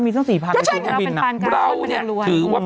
มีซัก๔๐๐๐ตัวปีเอาเป็นปานกลาง